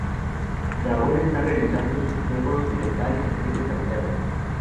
Dragón están realizando sus juegos de local en sedes alternas.